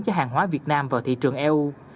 cho hàng hóa việt nam vào thị trường eu